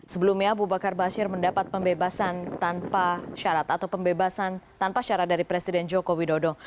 sebelumnya abu bakar basir mendapat pembebasan tanpa syarat atau pembebasan tanpa syarat dari presiden joko widodo